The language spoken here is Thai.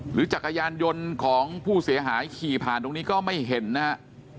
จักรยานยนต์ของผู้เสียหายขี่ผ่านตรงนี้ก็ไม่เห็นนะฮะ